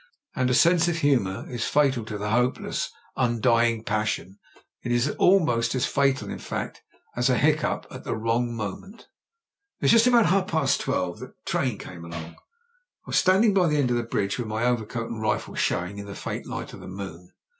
And a sense of humour is fatal to the hopeless, undying passion. It is almost as fatal, in fact, as a hiccough at the wrong moment. "It was just about half past twelve that the train came along. I was standing by the end of the bridge, with my overcoat and rifle showing in the faint light of the moon.